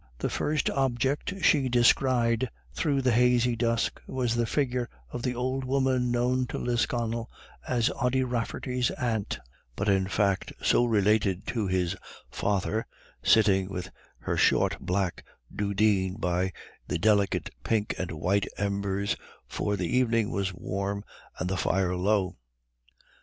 The first object she descried through the hazy dusk was the figure of the old woman known to Lisconnel as Ody Rafferty's aunt, but in fact so related to his father, sitting with her short black dudeen by the delicate pink and white embers, for the evening was warm and the fire low.